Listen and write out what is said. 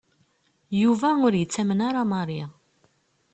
Yuba ur yettamen ara Mary.